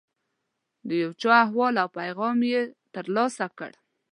د یو چا احوال او پیغام یې ترلاسه کړ.